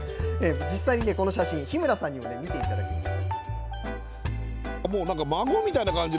実際にね、この写真、日村さんにも見ていただきました。